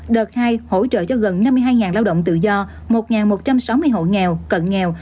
đợt hai hỗ trợ cho gần năm mươi hai lao động tự do một một trăm sáu mươi hộ nghèo cận nghèo